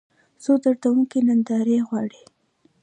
څو دردونکې نندارې غواړي